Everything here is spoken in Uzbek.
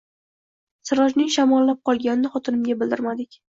Sirojning shamollab qolganini xotinimga bildirmadik